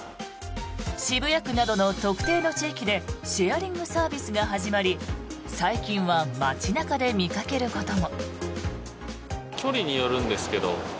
渋谷区などの特定の地域でシェアリングサービスが始まり最近は街中で見かけることも。